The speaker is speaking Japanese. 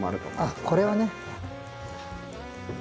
あっこれをね。